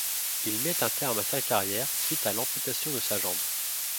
Il met un terme à sa carrière suite à l'amputation de sa jambe.